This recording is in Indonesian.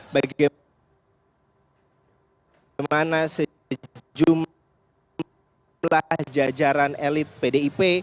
bagaimana sejumlah jajaran elit pdip